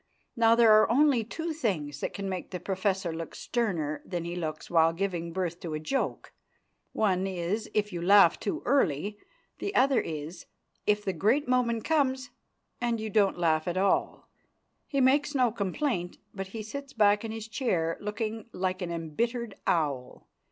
Now, there are only two things that can make the professor look sterner than he looks while giving birth to a joke. One is, if you laugh too early: the other is, if the great moment comes and you don't laugh at all. He makes no complaint, but he sits back in his chair, looking like an embittered owl.